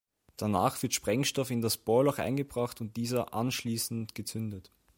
Danach wird Sprengstoff in das Bohrloch eingebracht und dieser anschließend gezündet.